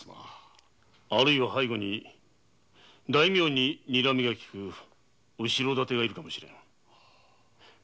背後に大名に「にらみ」がきく後ろ盾がいるかもしれん。